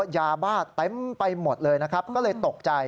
ยาบ้าเต็มไปหมดเลยตกใจ